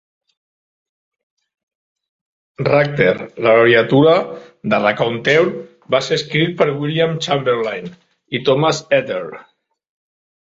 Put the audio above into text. Racter, l'abreviatura de "raconteur", va ser escrit per William Chamberlain i Thomas Etter.